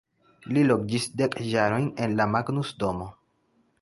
Li loĝis dek jarojn en la Magnus-Domo.